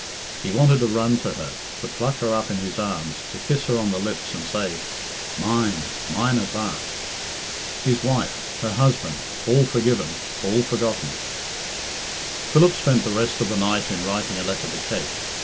He wanted to run to her, to pluck her up in his arms, to kiss her on the lips, and say, "Mine, mine at last!" His wife her husband all forgiven all forgotten! Philip spent the rest of the night in writing a letter to Kate.